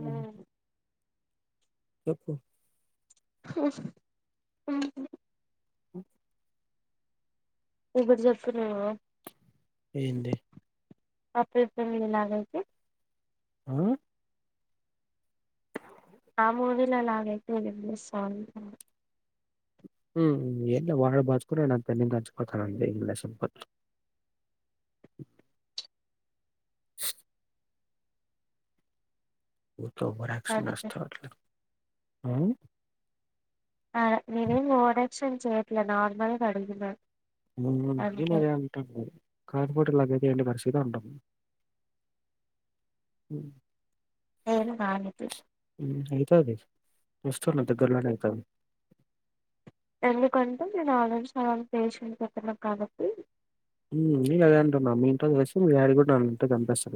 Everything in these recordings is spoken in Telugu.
హ్మ్ చెప్పు ఆ ఓ ఇప్పుడు జెప్పు నువ్వు ఏంది [unintelligible] మీలానుంచి ఆ ఆ మూవీల అలాగైపోఇంది సామీ లా హు [unintelligible] సంపత్ తో అంతే [unintelligible] హు ఆ నీవేం ఓవరాక్షన్ చేయట్లే నార్మల్ గ అడిగిన హు నేను అంతే అదే అంటన్న [unintelligible] ఏంటి పరిస్థితి అంటాం నేను కానీ తి హుమ్ అయితది వస్తన్న దగ్గర లోనే అయితది ఎందుకంటే నేను ఆల్రెడీ సగం పేషన్ చెప్పిన కాబట్టి హుమ్ నేను అదే అంటున్నా మీ ఇంట్లోక్ తెలిస్తే నువ్ యాడ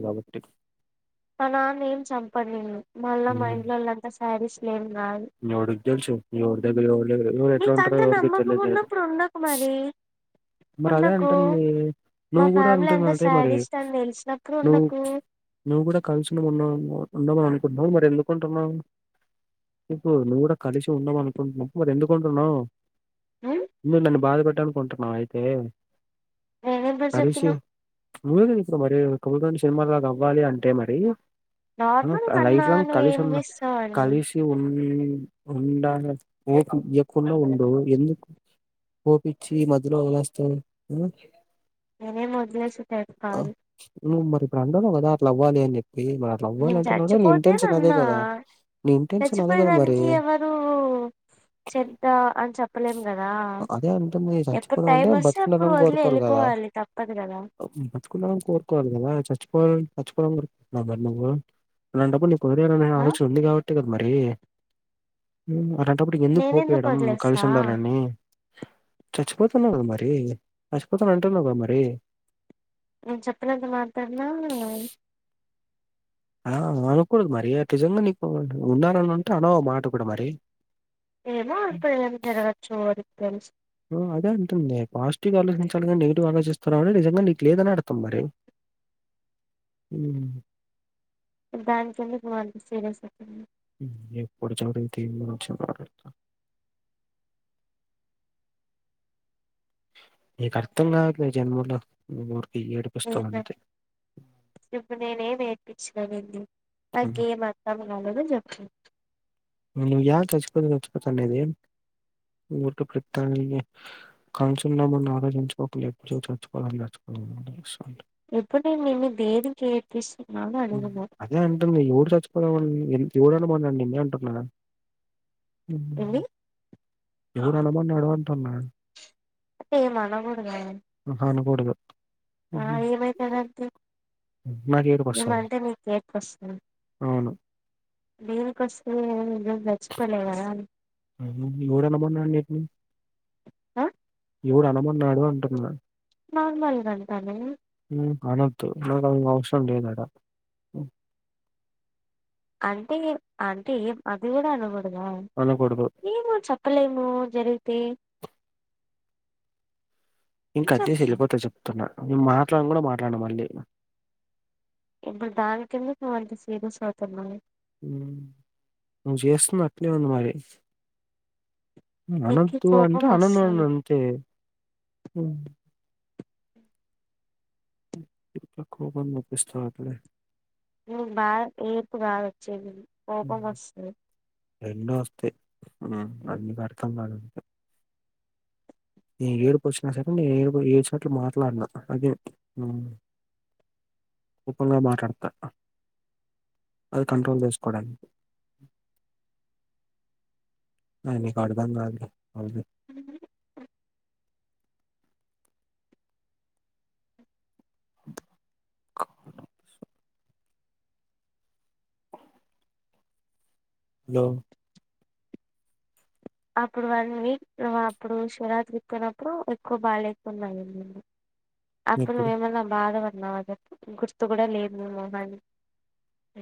[unintelligible] కాబట్టి మా నాన్న ఏం చంపడు నిన్ను మళ్ళా మా హ్మ్ ఇంట్లో వాళ్ళంతా శాడిస్ట్ లేం కాదు ఎవడికి తెలుసు ఎవరి దగ్గర ఎవరి దగ్గర ఎవరు ఎట్లా ఉంటారో నీకంత ఎవరికి నమ్మకం తెలిదు ఉన్నప్పుడు ఉండకు మరి మరి అదే ఉండకు అంటంది మా నువ్వు గూడా ఫ్యామిలీ అంటున్న అంతా అదే మరి శాడిస్ట్ అని తెలిసినప్పుడు నువ్ ఉండకు నువ్వు గుడా కలిసుండం ఆన్నావ్ ఉండమని అనుకుంటున్నావు మరి ఎందుకుంటున్నావ్ చేప్పు నువ్వు గూడా కలిసి ఉండం అనుకుంటున్నపుడు మరి ఎందుకుంటున్నావు నన్ బాధపెట్ టనుకుంటున్నావైతే నేనెప్పుడు చెప్పినా కలిసి [unintelligible] [unintelligible] కొన్ని కొన్ని సినిమాలాగా అవ్వాలి అంటే మరి నార్మల్ కన్నా లైఫ్ లాంగ్ నువ్వు కలిసి ఏం ఉన్నా చేస్తావని కలిసి ఉన్ [unintelligible] ఏ ఈయకుండా ఉండు ఎందుకు పోపిచ్చి మధ్యలో వదిలేస్తాం నేనేం వదిలేసే టైప్ కాదు నువ్ మరి ఇప్పుడు అండన్నావ్ గదా అట్లా అవ్వాలి అని జెప్ ప్పి మరి అట్లా అవ్వాల నేను అంటున్నా కూడ నీ చచ్చిపోతే ఇంటెన్షన్ అదే గదా నీ ఇంటెస్ పోయే దానికి ఎవరూ చెప్తా అని చెప్పలేము గదా అదే అంటుంది ఎప్పుడు చచ్చిపోవడం టైం అంటే వస్తే అప్పుడు బతుకుండాలని వదిలి వెళ్ళిపోవ లి తప్పదుగదా బతికుండాలని కోర్కోవాలి గదా చచ్ పోవాలని చచ్చిపోవాలని కోరుకుంటూనవ్ కదా నువ్వు అలాంటప్పుడు నీకు వదిలేయాలని ఆ ఆలోచన ఉంది గాబట్టే గద మరీ అట్ అన్ టపుడు ఎందుకు నేనెందుకు పోపెయడం కలిసి వదిలేస్తా ఉండాలని చచ్చిపోతున్నావు కదా మరి చచ్చిపోతనంటున్నావ్ గా మరి నేన్ చెప్పినంత మాత్రాన ఆ అనకూడదు మరి నిజంగా నీకు ఉండాలని అంటే అనవు ఆ మాట కూడా మరి ఏమో ఎప్పుడు ఏదైనా జరగొచ్చు ఎవరికి తెలుసు హు అదే అంటుంది పాజిటివ్ ఆలోచించలీ గానీ నెగిటివ్ ఆలోచిస్తావ్ కాబట్టి నిజంగా నీక్ లేదనే అర్థం మరి ఉ దానికి ఎందుకు నువ్ అంత సీరియస్ అవుతున్నావ్. ఎప్పుడు చూడు [unintelligible] నీకు అర్థం గావట్లే ఈ జన్మలో [unintelligible] ఏడిపిస్తావు ఊుహు అంతే ఇప్పుడ్ నేనేమీ సరే అయితే అయితే ఉమ్. ఏం అర్థం గాలేదొ జెప్పు నువ్ యాల్ చచ్చిపోనే చ్చిపోతాండేది. ముద్దు పెట్టాలి కలుసున్నామని ఆలోచించుకోకు ఎప్పుడు చచ్చిపోదాం చచ్ [inaudible] తెలుసు అంట ఎప్పుడ్ నేను నిన్ని దేనికి ఏడ్పిస్స్ అదే అంటుంది ఎవరు చచ్చిపోదాం అని ఎం ఎవడున్మన్నాడు నిన్ని అంటున్నా ఊహు ఏంది ఎవడు అనమన్నాడు అంటున్నా? ఏం అనకూడదా? కూడదు. ఆ ఏమైతదంటే నాకు ఏడుపు వస్తది ఏమంటే మీకు ఏడుపొస్సది. అవును దేనికొస్తేది నేనేం నిజం జచ్చిపోలే గదా అయ్ నువ్ ఎవడు అనమన్నాడు నిన్ను అ ఎవడు అనమన్నాడు అంటున్నా? నార్మల్ గా అంటాను అనొద్దు నాకు ఏం అవసరం లేదీడ అంటే అంటే ఏం అది కూడా అనకూ దా అనకూడదు ఏమో చెప్పలేము జరిగితే నేను కట్ చేసి చెప్పు వెళ్ళిపోతా చెప్తున్నా నేను మాట్లాడ్ను కూడా మాట్లాడను మళ్ళీ ఇప్పుడు దానికేందుకు నువ్వు అంత సీరియస్ అవుతున్నావ్ ఉమ్ నువ్ చేస్తుంది అట్నే ఉంది మరి నీకి అనోద్దు కోపం అంటే అనను వస్తుంది అను అంతే ఎందుకు కోపమ తెప్పిస్తావ్ అప్పుడే నువ్ బాగా ఏర్పు కాదు వచ్చేది కోపం వస్తది రెండు వస్తాయి ఆ అది నీకర్థం కాదులే నేను ఏడుపు వచ్చిన సరే నేను ఏడుపు ఏడ్చినట్లు మాట్లాడ్ను అదే ఉమ్ కోపంగా మాట్లాడతా అది కంట్రోల్ చేసుకోవడానికి అది నీకర్ధం కాదులే వదిలే హలో అప్పుడు వన్ వీక్ నువ్ అప్పుడు శివరాత్రికి పొయ్నప్పుడు ఎక్కువ బాగాలేకున్న అయినింది. అప్పుడు ఎప్పుడు నువ్వేమన్నా బాధపడ్నావా చెప్పు గుర్తు కూడా లేదు నీ మెహాని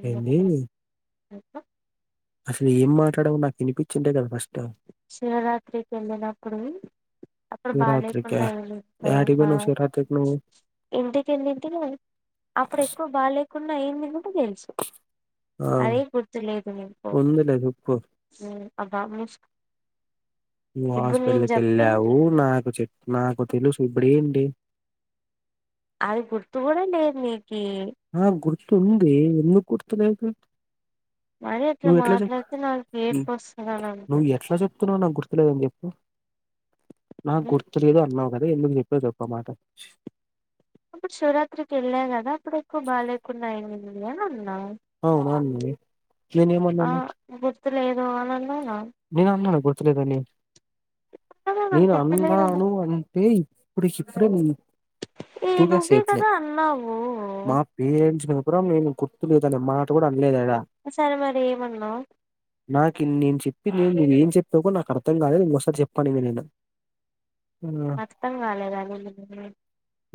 ఏంది [inaudible] అసలు ఏం మాట్లాడవ్ నాకు వినిపిచ్చుంటే కదా ఫస్ శివరాత్రికి వెళ్ళినప్పుడు వి అప్పుడు శివరాత్రికా బాగ్లేకుండా అయ్యింది కదా యాటికి ఆ పోయినవ్ శివరాత్రికి నువ్వు ఇంటికి ఎల్లింటిని అప్పుడు ఎక్కువ బాలేక్ కుండా అయింది కూడా తెలుసు ఆ అదే గుర్తు లేదు మీకు ఉందిలే చెప్పు ఉమ్ అబ్బా మూస్ నువ్వు హాస్పిటల్కి చెప్పింది వెళ్ళావు నాకు చెప్ నాకు తెలుసు ఇప్పుడేంటి అది గుర్తు కూడా లేదు నీకి స్తు ఉంది ఎందుకు గుర్తులేదు మరి అట్లా నువ్వు ఎట్లా చెప్ మాట్లాడితే నాకు ఏడుపు వస్తదని అనుకో నువ్వు ఎట్లా చెప్తున్నావు నా గుర్ గుర్తు లేదని చెప్పి నా ఉమ్, గుర్తులేదు అన్నావ్ అదే ఎందుకు చెప్పావ్ చెప్ప మాట అప్పుడు శివరాత్రికి ఏళ్ల కదా అప్పుడు ఎక్కువ బాగాలేకున్నా అయింది అ అవు [inaudible] నేను ఆ ఏమన్నాను గుర్తులేదు అని అన్నానా నేను అన్నానా గుర్తులేదని కదా నాకు నేను గుర్తులేదని అన్నాను అంటే ఇప్పుడు చిప్పుడే ఏ తూ క నువ్వే సేఫలే కదా అన్నావు మా పేట్స్ నేను గుర్తు లేదని అమ్ మా నాట కూడా అనలేదాడా సరే మరి ఏమన్నావు నాకు నేను చెప్పి నేను ఏం చెప్పాకోో నాకు అర్థం కాలేదు ఇంకోసారి చెప్పను నేను ఆ అర్థం కాలేదని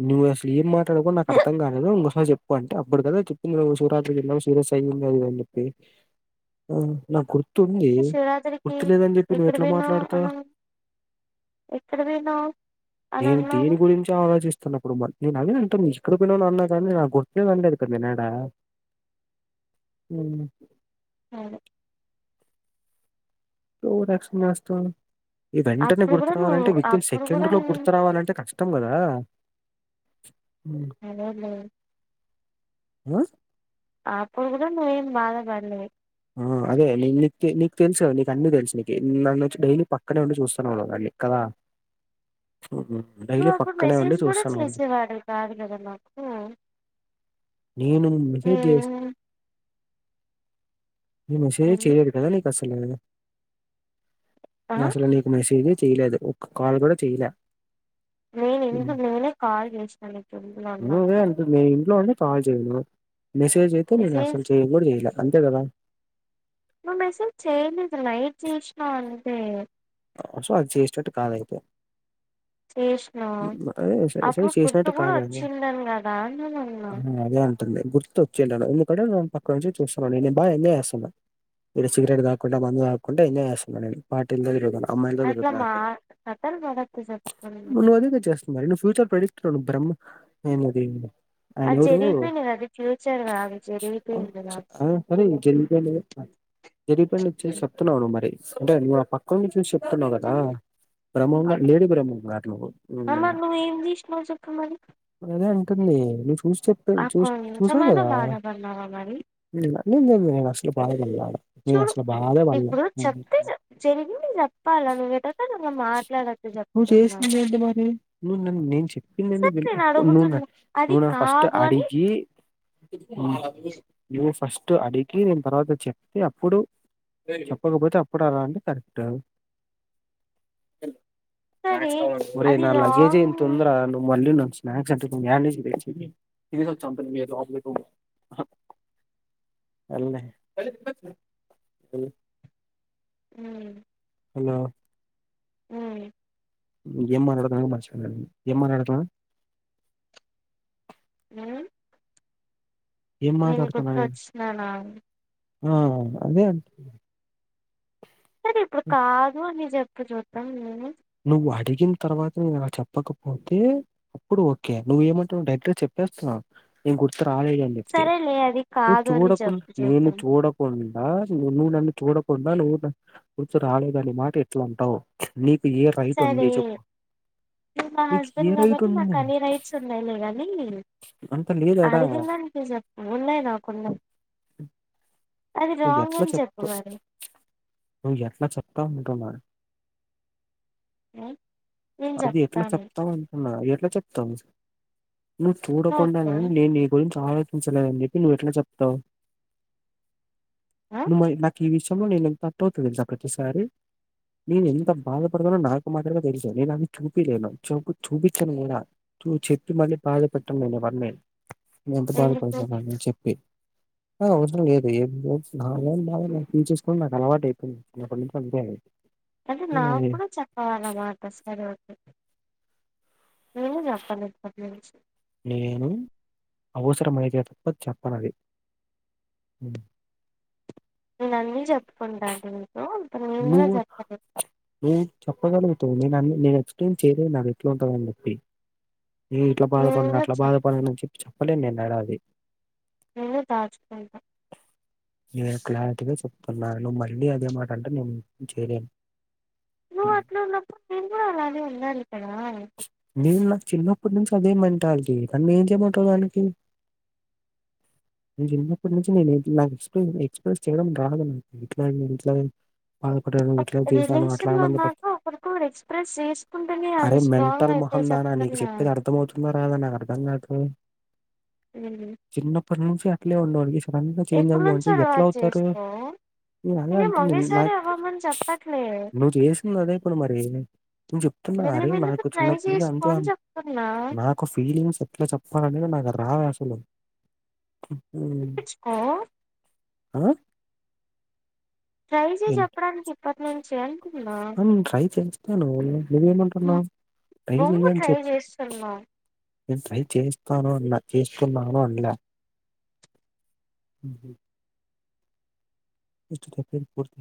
నువ్వు అసలు ఏ మాట్లాడుకో నాకు అర్థంాలేదు ఇంకోసారి చెప్పు అంటే అప్పుడు కదా చెప్పింది శివరాజ సీరియస్ అయింది చెప్పి ఆ నాకు గుర్తుంది శివరాత్రికి గుర్తు లేదని చెప్పి నువవు ఎక్కడ ఎట్లా పోయినావ్ మాట్లాడతా అని ఎక్కడ పోయినావ్ అని నేను అన్నావు దీని గురించి ఆలోచిస్త వస్తుప్పుడు మ నేను అవి అంటే ఇక్క్ర పిల్న అన్నా కానీ నాకు గుర్తుద అండలేదు కదా నినాడ అ అవును త రస నస్తతో [unintelligible] ఈ వెంటనే అప్పుడు గుర్తు కూడా నువ్వు రావాలంటే వితిన్ అప్పుడు సెకండ్ కూడా లో గుర్తు రావాలంటే ఖచ్చితంగా [unintelligible] కదా ఉమ్. అదేలే ఆ అప్పుడు కూడా నువ్వేం బాధ పడలేదు ఆ అదేీ నీకు తెలుసు నీ అీ తెలుసు నీకు నన్నుచ్చి డైలీ పక్కనే ఉండి చూస్తాను క ఆ నువ్ అప్పుడు ఉండి మెసేజ్ కూడా చూస్తున్నావు. చేసేవాడు కాదు కదా నాకు నేను మెసేజ్ ఈ మెసేజ్ చే ఏంది ఎదా నీకు అస్సలు ఆహా అసలు నీకు మెసేజ్ చేలేదు ఒక్క కాల్ కూడా చేలే నేను ఇందు నేనే కాల్ చేసినా నీకు ఇందులో నువే ఉన్నప్పుడు అంట మీ ఇంట్లో అండి కాల్ చేయను మెసేజ్ అయితే నేను అసలు చేయ కూడా చెయలే అంతే కదా ఇ మసజ చేయలే ఇది నలైట్ జీసిన అంది సో అది చేసటట్టు కాదయితే చేసినావు ఆ అప్పుడు గుర్తు చేసినట్టు కూడా కాదా అది వచ్చిందని కదా నేను అన్నా ఆ అదే గుర్తుొచ్చి వెళ్ళను ఎందుకంటే నేను పక్క నుంచి చూస్తున్నాను నేను బాగా ఎన్న చేేస్తాను ఇగ సిగరట్ తాగుకుంటా మందు తాగకుండా ఎంజాయ్ చేస్తున్న పార్టీల వెంట తిరుగుకుంటా అట్లా మా కథలు పడకు చెప్తున్నా నువ్వు అే చేస్తున్నారురి నువ్వు ఫ్యూచర్ ప్రొడిక్ట్ బ్రహమయినది అది అయనూరు జరిగిపోయింది అది ఫ్యూచర్ కాదు జరిగిపోయింది కాబట్టి సరే గ జరి ప నుచ్చ సత్తనవను మరి అంటే నువ్వు ఆ పక్కం నుంచి నుంచి చెప్తున్నావు కదా బ్రహ్మారు లేడీ బ్రహ్మ గారు నువ్వు ఉమ్, అమారి నువ్వు ఏమి తీష్ినవు చక్క మరి అని నువ్వు చూసి చెప్ా ఆ చూ చూసావు కొంచెమైనా కదా బాధపడినావా మరి ఇ అస్సలు పాా చూడు ఇప్పుడు చెప్తే జరిగింది చెప్పాల నువ్వు మాట్లాడకు నువ్వు చేసింది ఏంటి మరి నువ్వు నన్న నేను చెప్పింది సరే నువ్వు నేను అడుగుతున్నా నన్ను అది నువ్వు నన్ను ఫస్ట్ కాదు అని అడిగి నువ్వు ఫస్ట్ అడిగి నేను తర్వాత చెప్తే అప్పుడు చెప్పకపోతే అప్పుడు అలా అంటే కరెక్ట్ సరే ఒరేయ్ అది నా లగేజే రాంగ్ ఇంతుందిరా నువ్వు మళ్ళీ నన్ను స్నాక్స్ అంటె ఇప్పుడు యాడినుంచి తెచ్చేది సరేలే ఉ హలో అ ఏం మాట్లాడుతున్నానో మరచిపోయా నేను ఏం మాట్లాడుతన్నా అ ఏం నేను మాట్లాడుతున్నా నేను గుర్తొచ్చిననా ఆ అదే అంట సరే ఇప్పుడు కాదు అని చెప్పు చూద్దాం నేను నువ్వు అడిగిన తర్వాత నేను అలా చెప్పకపోతే అప్పుడు ఓకే నువ్వు ఏమంటావ్ డైరెక్ట్గా చెప్ చెప్పేస్తున్నావు నేను గుర్తు రాలేదు అని చెప్పి సరేలే అది నువ్వు కాదు అని చూడకుండ చెప్పు నేను చూద్దాం చూడకుండ ఆ నువ్వు నన్ను చూడకుండా నువ్వు నన్ను గుర్తు రాలేదనే మాట ఎట్ల అంటావు నీ కు ఏ రైట్ ఉంది సరే చెప్పు నువ్వు నా నీకు ఏ హస్బెండ్ రైట్ కాబట్టి నాకు ఉంది? అన్ని రైట్స్ ఉన్నాయిలే కానీ అంత లేదాడా? అడిగిందానికి చెప్పు ఉన్నాయి నాకున్నాయి అది నువ్వు రాంగ్ ఎట్ల అని చెప్పు చెప్తావ్ మరి నువ్వు ఎట్ల చెప్తావ్ అంటున్నా ఆ అది ఎట్లా చెప్తావ్ అంటున్న ఎట్లా చెప్తావ్ నువ్వు నోటితో చూడకుండానే నేను నీ గురించి ఆలో చించలేదని చెప్పి నువ్వు ఎట్ల చెప్తావు ఆ నువ్వు మరి నా ఈ విషయంలో నేను ఎంత హార్ట్ అవుతానో తెలుసా ప్రతిసారి నేను ఎంత బాధపడతానో నాకు మాత్రమే తెలుసు నేను అది చూపియ్యలేను చాపు చూపించను కూడా ను చెప్పి మళ్ళీ బాధ పెట్టను నేను ఎవరి నేను ఎంత ఎందుకు బాధపడతున్నానో చెప్పి ఆ అవసరం లేదు ఏమి నా బాధలు నేను తీర్చుకోవడం నాకు అలవాటు అయిపోయింది చిన్నప్పటినుంచి అంతే నేను అంటే నాకు కూడా చెప్పవన్నమాట సరే ఓకే నేను చెప్పను ఇప్పటినుంచి నేను అవసరమైతే తప్ప చెప్పనది నేను అన్నీ చెప్పుకుంటా నీకు నువ్వు నువ్ చెప్పగలుగుతావ్ నేను అన్ని నేను ఎక్స్ప్లెయిన్ చేయలేను నాది ఎట్ల ఉంటందని చెప్పి నేను ఇట్లా బాధపడినా కూడా అట్లా చెప్పను బాధపడినా అని చెప్పి చెప్పలేను నేను ఏడ అది నేను దాచుకుంటా నేను క్లారిటీగా చెప్తున్నా నువ్వు మళ్ళీ అదే మాట అంటే నేను ఏమి చేయలేను నువ్వు హ్మ్. అట్ల ఉన్నప్పుడు నేను కూడా అలాగే ఉండాలి కదా నేను నాకు చిన్నప్పటి నుంచి అదే మెంటాలిటీ నన్ను ఏం చేయమంటావ్ దానికి నేను చిన్నప్పటి నుంచి నేను నాకు ఎక్స్ప్లెయిన్ ఎక్స్ప్రెస్ చేయడం రాదు నాకు ఇట్లాని ఇట్లాని బాధపడ్డాను ఇట్లా చేశాను అట్లా రిలేషన్ లో ఉన్నాక ఆనందపడతాను ఒకరికొకరు ఎక్స్ప్రెస్ చేసుకుంటేనే అరే అవి స్ట్రాంగ్ మెంటల్ మొహం అయితాయి దానా నీకు చెప్తున్నా చెప్పేది అర్ధం అవుతుందా రాదా నాకు అర్ధం కాదు అ అప్పటి నుంచి అట్లే ఉన్నోడిని సడెన్ గా చేంజ్ నుంచో అవ్వుమంటే ఎట్ల అలవాటు అవుతారు చేసుకో నేను అలా నేనేం అంటలే ఒకేసారి నాక్ అవ్వమని చెప్పట్లే నువ్వు చేసి అదే ఇప్పుడు మరి నేను చెప్తున్నా అరే మెల్లిమెల్లిగా నాకు ట్రై చిన్నప్పుడు చేసుకో అంతే అని చెప్తున్నా నాకు ఫీలింగ్స్ ఎట్లా చెప్పాలనేది నాకు రాదు ఆక్టువల్లి హుమ్ నేర్చుకో ఆ ట్రై చెయ్ ఏం చెప్పడానికి ఇప్పటి నుంచే అంటన్న ఆయినా నువ్ నువ్వేమంటున్నావు ట్రై నువ్వు చెయ్య అని ట్రై చెప్పు చేస్తున్నావు నేను ట్రై చేస్తాను అన్నా చేస్తున్నాను అన్లా [unintelligible] [unintelligible]